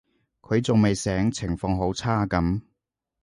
佢仲未醒，情況好差噉